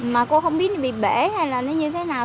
mà cô không biết nó bị bể hay là nó như thế nào